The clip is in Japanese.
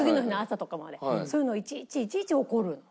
そういうのをいちいちいちいち怒る。